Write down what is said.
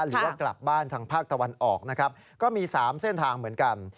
หรือว่ากลับบ้านทางภาคตะวันออกนะครับก็มี๓เส้นทางเหมือนกัน